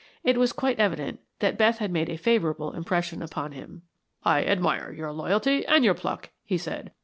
It was quite evident that Beth had made a favorable impression upon him. "I admire your loyalty and your pluck," he said.